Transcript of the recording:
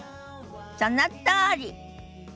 そのとおり！